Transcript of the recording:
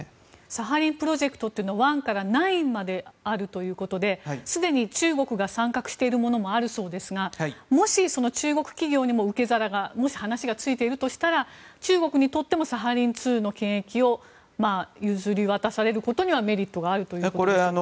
サハリンプロジェクトというのは１から９まであるということですでに中国が参画しているものもあるそうですがもし中国企業にも受け皿がもし話がついているとしたら中国にとってもサハリン２の権益を譲り渡されることにはメリットがあるということでしょうか。